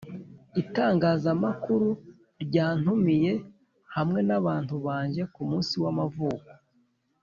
Itangazamakuru ryantumiye hamwe nabantu banjye ku munsi w’amavuko.